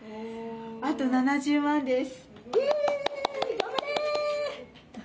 あと７０万です。